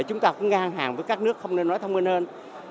chúng ta cũng ngang hàng với các nước không nên nói thông minh hơn